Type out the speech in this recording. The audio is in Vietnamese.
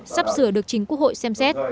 sắp sửa được chính quốc hội xem xét